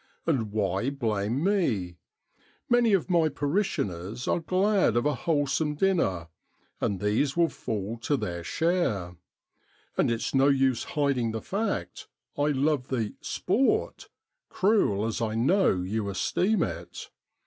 And why blame me ? Many of my parishioners are glad of a wholesome dinner, and these will fall to their share. And it's no use hiding the fact, I love the l sport, 5 cruel as I know you esteem it.